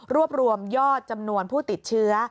รวบรวมยอดจำนวนผู้ติดเชื้อ